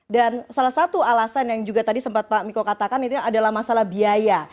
dan salah satu alasan yang juga tadi sempat pak miko katakan itu adalah masalah biaya